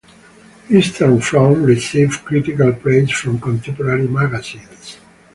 "Eastern Front" received critical praise from contemporary magazines.